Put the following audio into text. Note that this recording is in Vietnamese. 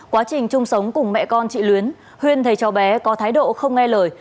quá trình chung sống cùng mẹ con chị luyến huyên thầy cho bé có thái độ không nghe lời